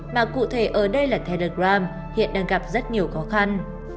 mà cụ thể ở đây là telegram hiện đang gặp rất nhiều khó khăn